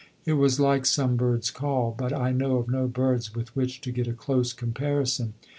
It was like some bird's call, but I know of no bird's with which to get a close comparison.